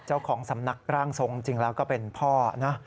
เจ้าของสำนักร่างทรงจริงแล้วก็เป็นพ่อนะ